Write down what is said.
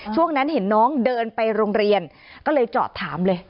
ช่วงนั้นเห็นน้องเดินไปโรงเรียนก็เลยจอดถามเลย